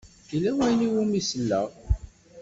Yella wayen i wumi selleɣ.